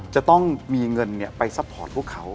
จะต้องมีเงินไปซัพพอร์ตพวกเขา